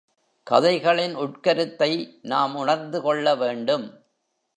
கதைகளின் உட்கருத்தை நாம் உணர்ந்து கொள்ள வேண்டும்.